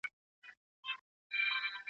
له ازله مي راوړي پر تندي باندي زخمونه